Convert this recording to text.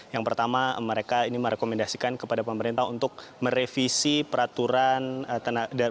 yang pertama mereka merekomendasikan kepada pemerintah untuk merevisi peraturan tenaga kerja